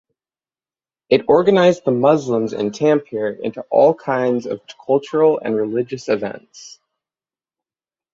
It organized the Muslims in Tampere into all kinds of cultural and religious events.